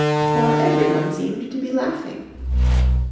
for everyone seemed to be laughing.